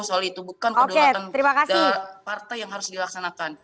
soal itu bukan kedaulatan partai yang harus dilaksanakan